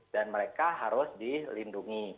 dan mereka harus dilindungi